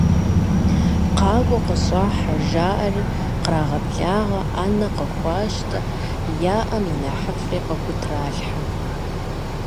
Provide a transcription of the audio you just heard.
Къакӏуэ, къыщӏыхьэ!- жаӏэри кърагъэблагъэ, ӏэнэ къыхуащтэ, яӏэм и нэхъыфӏри къыхутралъхьэ.